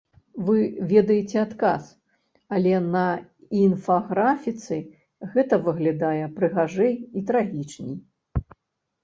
Вы ведаеце адказ, але на інфаграфіцы гэта выглядае прыгажэй і трагічней.